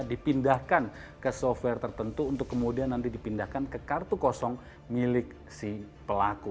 dipindahkan ke software tertentu untuk kemudian nanti dipindahkan ke kartu kosong milik si pelaku